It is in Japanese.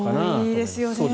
多いですよね。